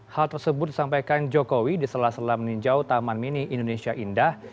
hal tersebut disampaikan jokowi di sela sela meninjau taman mini indonesia indah